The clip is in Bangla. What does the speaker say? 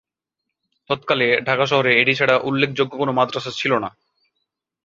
তৎকালে ঢাকা শহরে এটি ছাড়া উল্লেখযোগ্য কোন মাদ্রাসা ছিল না।